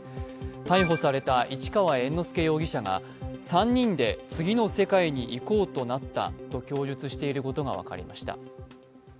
逮捕された市川猿之助容疑者が３人で次の世界に行こうとなったと供述していることが分かりました。